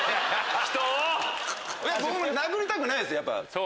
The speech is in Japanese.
僕も殴りたくないですよ。